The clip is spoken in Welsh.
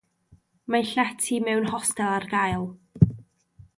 Mae llety mewn hostel ar gael.